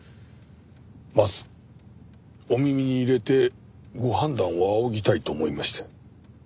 まずお耳に入れてご判断を仰ぎたいと思いまして。